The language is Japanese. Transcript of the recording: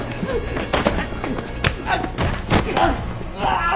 あっ！